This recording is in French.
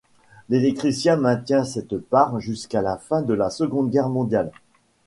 L'électricien maintient cette part jusqu'à la fin de la seconde guerre mondiale.